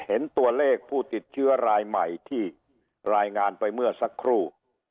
เห็นตัวเลขผู้ติดเชื้อรายใหม่ที่รายงานไปเมื่อสักครู่